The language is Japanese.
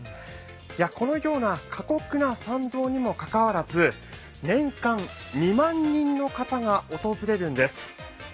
このような過酷な参道にもかかわらず年間２万人の方が訪れるんです。